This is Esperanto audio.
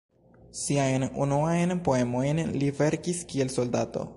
Siajn unuajn poemojn li verkis kiel soldato.